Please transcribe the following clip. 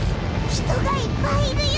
人がいっぱいいるよ。